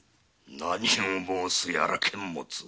何を申すやら監物。